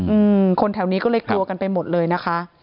อืมคนแถวนี้ก็เลยกลัวกันไปหมดเลยนะคะ